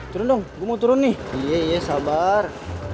cendung mau turun nih iya sabar